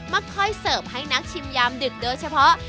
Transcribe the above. ค่อยเสิร์ฟให้นักชิมยามดึกโดยเฉพาะ